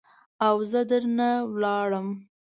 او زه در نه لاړم.